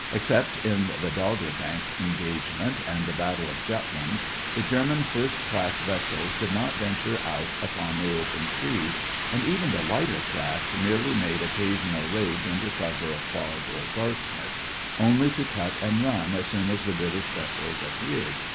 Except in the Dogger Bank engagement and the Battle of Jutland, the German first class vessels did not venture out upon the open sea, and even the lighter craft merely made occasional raids under cover of fog or darkness, only to cut and run as soon as the British vessels appeared.